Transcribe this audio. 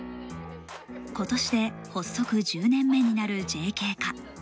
今年で発足１０年目になるＪＫ課。